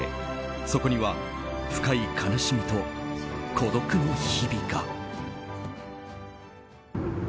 そこには深い悲しみと孤独の日々が。